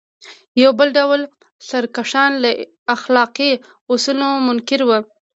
یو بل ډول سرکښان له اخلاقي اصولو منکر وو.